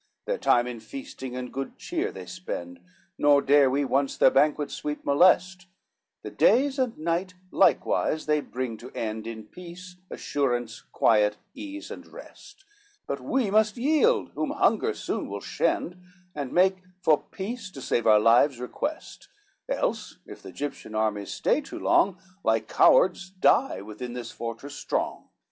IV "Their time in feasting and good cheer they spend, Nor dare we once their banquets sweet molest, The days and night likewise they bring to end, In peace, assurance, quiet, ease and rest; But we must yield whom hunger soon will shend, And make for peace, to save our lives, request, Else, if th' Egyptian army stay too long, Like cowards die within this fortress strong.